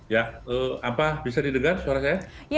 ya apa bisa didengar suara saya